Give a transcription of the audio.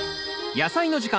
「やさいの時間」